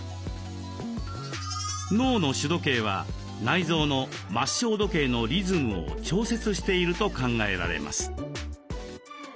脳の「主時計」は内臓の「末梢時計」のリズムを調節していると考えられます。